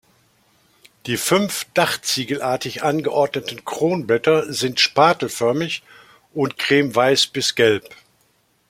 Die fünf dachziegelartig angeordneten Kronblätter sind spatelförmig und cremeweiß bis gelb.